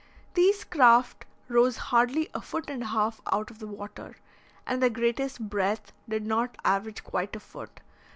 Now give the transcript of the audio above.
These craft rose hardly a foot and a half out of the water, and their greatest breadth did not average quite a foot.